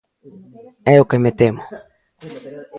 É o que me temo.